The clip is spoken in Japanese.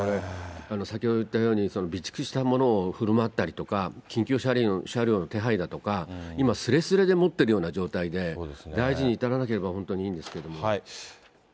先ほど言ったように、備蓄したものをふるまったりとか、緊急車両の手配だとか、今すれすれでもってるような状態で、大事に至らなければ本当にいいんですけども。